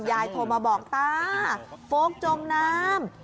ยายโทรมาบอกตาโฟลกจมน้ำ